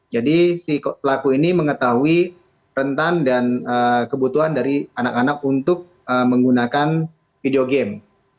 jadi si pelaku ini mengetahui rentan dan kebutuhan dari anak anak untuk menggunakan video game